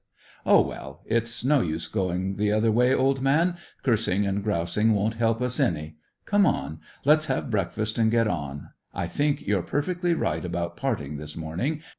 Oh, well, it's no use going the other way, old man; cursing and growsing won't help us any. Come on! Let's have breakfast and get on. I think you're perfectly right about parting this morning.